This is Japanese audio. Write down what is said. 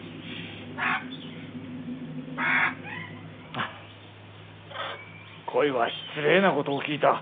ハッこいは失礼なことを聞いた。